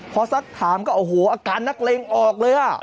พอสักถามก็โอ้โหอาการนักเลงออกเลยอ่ะ